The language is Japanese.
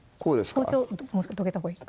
包丁どけたほうがいい